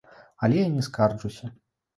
Але я не скарджуся.